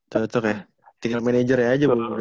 cocok ya tinggal managernya aja boleh